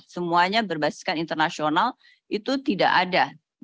semuanya berbasiskan internasional itu tidak ada